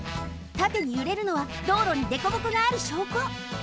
たてにゆれるのは道路にでこぼこがあるしょうこ。